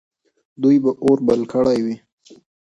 دوی به اور بل کړی وي.